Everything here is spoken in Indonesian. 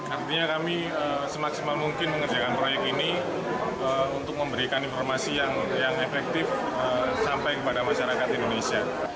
artinya kami semaksimal mungkin mengerjakan proyek ini untuk memberikan informasi yang efektif sampai kepada masyarakat indonesia